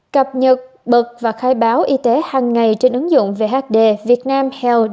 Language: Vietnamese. ba cập nhật bật và khai báo y tế hàng ngày trên ứng dụng vhd việt nam